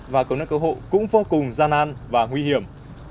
và cầu nạn cơ hộ cũng vô cùng gian nan và nguy hiểm